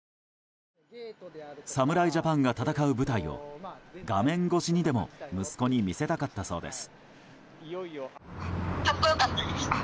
侍ジャパンが戦う舞台を画面越しにでも息子に見せたかったそうです。